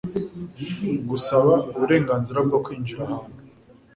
Gusaba uburenganzira bwo kwinjira ahantu,